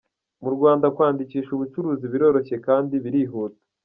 Mu Rwanda kwandikisha ubucuruzi biroroshye kandi birihuta.